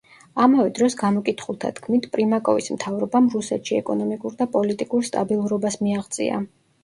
ამავე დროს, გამოკითხულთა თქმით, პრიმაკოვის მთავრობამ რუსეთში ეკონომიკურ და პოლიტიკურ სტაბილურობას მიაღწია.